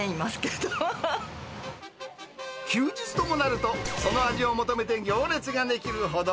休日ともなると、その味を求めて行列が出来るほど。